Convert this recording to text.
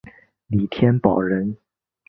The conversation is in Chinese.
李添保人。